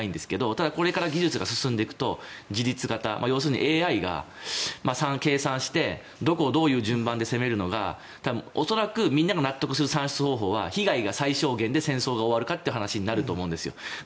ただこれから技術が進んでいくと自律型、ＡＩが計算して、どこをどういう順番で攻めるのが恐らくみんなが納得する算出方法は被害が最小限で戦争が終わるかって話になると思うんですよ。